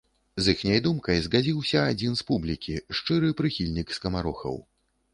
З іхняй думкай згадзіўся адзін з публікі, шчыры прыхільнік скамарохаў.